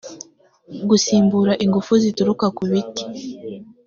gusimbura ingufu zituruka ku biti